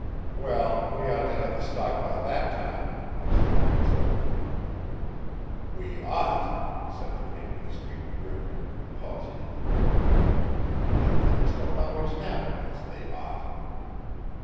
"Well, we ought to have the stock by that time," I said consolingly. "We ought," said the King of the Street grimly, pausing in the doorway, "but things don't always happen as they ought."